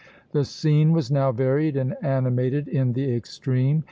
The scene was now varied and animated in the extreme.